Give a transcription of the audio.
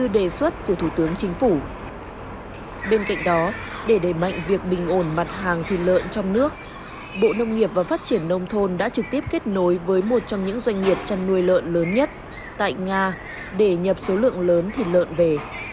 bên cạnh đó để đẩy mạnh việc bình ổn mặt hàng thịt lợn trong nước bộ nông nghiệp và phát triển nông thôn đã trực tiếp kết nối với một trong những doanh nghiệp chăn nuôi lợn lớn nhất tại nga để nhập số lượng lớn thịt lợn về